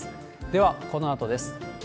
では、このあとです。